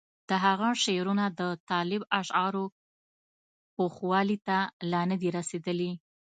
د هغه شعرونه د طالب اشعارو پوخوالي ته لا نه دي رسېدلي.